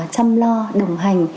chăm lo đồng hành